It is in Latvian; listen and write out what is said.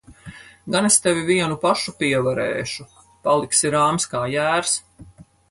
Gan es tevi vienu pašu pievarēšu! Paliksi rāms kā jērs.